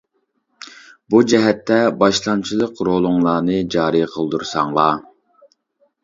بۇ جەھەتتە باشلامچىلىق رولۇڭلارنى جارى قىلدۇرساڭلار.